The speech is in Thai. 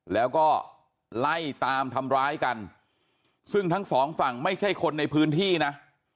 แล้วก็ไล่ตามทำร้ายกันซึ่งทั้งสองฝั่งไม่ใช่คนในพื้นที่นะ